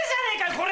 これ！